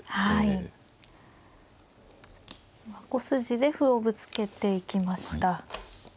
５筋で歩をぶつけていきました。